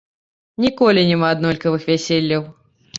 Ніколі няма аднолькавых вяселляў.